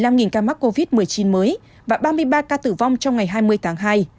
úc ghi nhận hơn một mươi năm ca mắc covid một mươi chín mới và ba mươi ba ca tử vong trong ngày hai mươi tháng hai